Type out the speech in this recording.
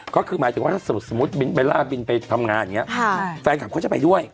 ก็คือหมายถึงว่าถ้าสมมุติบินเบลล่าบินไปทำงานอย่างนี้แฟนคลับเขาจะไปด้วย